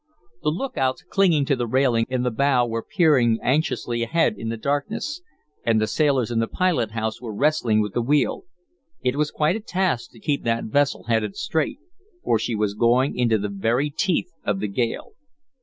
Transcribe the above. The lookouts clinging to the railing in the bow were peering anxiously ahead in the darkness, and the sailors in the pilot house were wrestling with the wheel; it was quite a task to keep that vessel headed straight, for she was going into the very teeth of the gale.